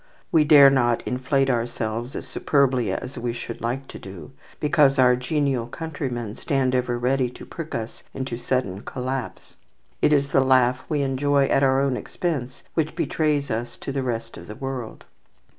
We dare not inflate ourselves as superbly as we should like to do, because our genial countrymen stand ever ready to prick us into sudden collapse. "It is the laugh we enjoy at our own expense which betrays us to the rest of the world."